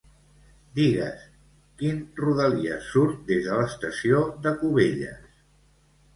Digues quin Rodalies surt des de l'estació de Cubelles.